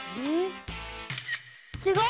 すごい！